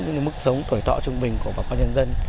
những mức sống tuổi tọa trung bình của bà con nhân dân